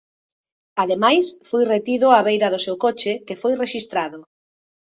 Ademais, foi retido á beira do seu coche, que foi rexistrado.